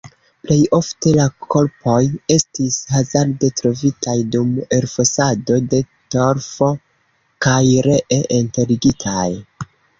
Plej ofte la korpoj estis hazarde trovitaj dum elfosado de torfo kaj ree enterigitaj.